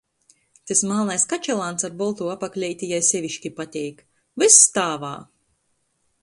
Tys malnais kačalāns ar boltū apakleiti jai seviški pateik — vyss tāvā!